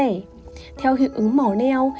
rẻ theo hữu ứng mỏ neo